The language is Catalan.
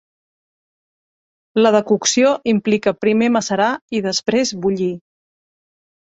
La decocció implica primer macerar i després bullir.